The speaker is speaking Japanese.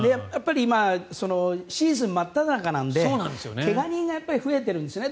今、シーズン真っただ中なので怪我人が増えてるんですね。